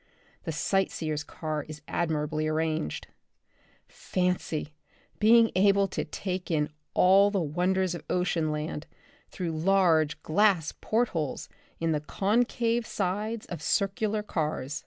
The sight seers' car is admirably arranged. Fancy being able to take in all the wonders of ocean land through large glass port holes in the concave sides of circular cars.